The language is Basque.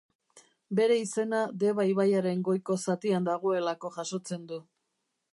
Bere izena Deba ibaiaren goiko zatian dagoelako jasotzen du.